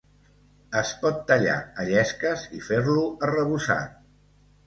Es pot tallar a llesques i fer-lo arrebossat.